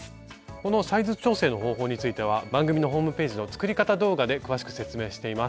このサイズ調整の方法については番組のホームページの作り方動画で詳しく説明しています。